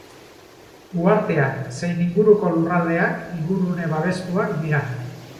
Uharteak zein inguruko lurraldeak ingurune babestuak dira.